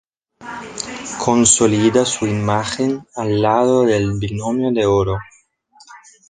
Consolida su imagen al lado del Binomio de Oro.